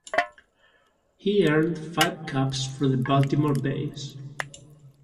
He earned five caps for the Baltimore Bays.